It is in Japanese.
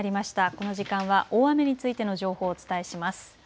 この時間は大雨についての情報をお伝えします。